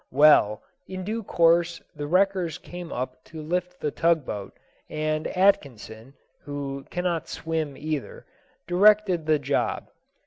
Well, in due course the wreckers came up to lift the tug boat, and Atkinson (who cannot swim either) directed the job.